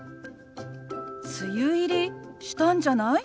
「梅雨入りしたんじゃない？」。